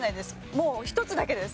もう１つだけです。